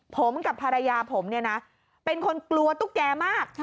ผมกับภรรยาผมเนี่ยนะเป็นคนกลัวตุ๊กแกมาก